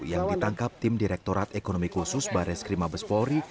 yang ditangkap tim direktorat ekonomi khusus bares krim abes polri